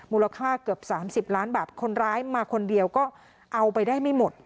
มูลค่าเกือบ๓๐ล้านบาทคนร้ายมาคนเดียวก็เอาไปได้ไม่หมด